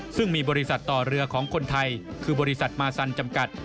ซึ่งมีบริษัทต่อเรือของคนไทยคือบริษัทมาซันจำกัด